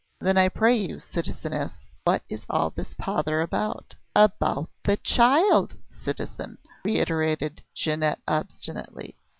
Then I pray you, citizeness, what is all this pother about?" "About the child, citizen," reiterated Jeannette obstinately.